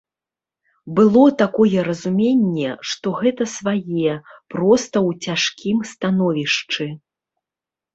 Было такое разуменне, што гэта свае, проста ў цяжкім становішчы.